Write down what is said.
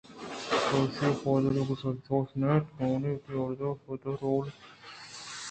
تو ایشی ءَ وفاداری گوٛشئے؟ چوش نہ اِنت من وتی مردے وفادار اوں بلئے ہما اُگدہءُ جاگہ یک وہدے کہ کلام پہ من وتی دل ءَ اشتگ اَنت